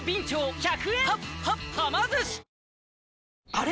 あれ？